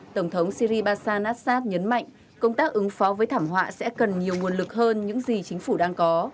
tổng thống syri basa nassad nhấn mạnh công tác ứng phó với thảm họa sẽ cần nhiều nguồn lực hơn những gì chính phủ đang có